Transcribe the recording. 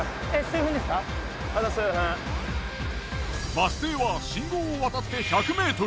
バス停は信号を渡って１００ｍ。